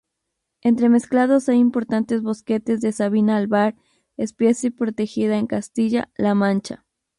Entremezclados hay importantes bosquetes de sabina albar, especie protegida en Castilla-La Mancha.